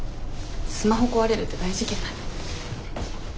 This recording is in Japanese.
スマホ壊れるって大事件だね。